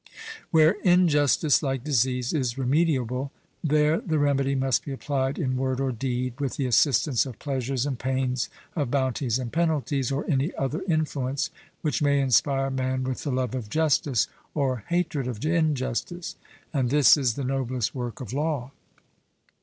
Where injustice, like disease, is remediable, there the remedy must be applied in word or deed, with the assistance of pleasures and pains, of bounties and penalties, or any other influence which may inspire man with the love of justice, or hatred of injustice; and this is the noblest work of law.